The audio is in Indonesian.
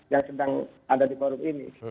yang sedang ada di forum ini